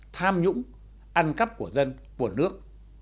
tham nhũng ăn cắp của dân của nước